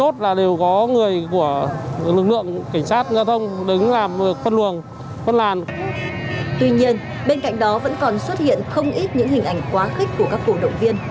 trong đó vẫn còn xuất hiện không ít những hình ảnh quá khích của các cổ động viên